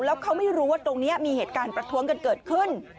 แล้วเขาไม่รู้ว่าตรงนี้มีเหตุการณ์ประท้วงกันเกิดขึ้น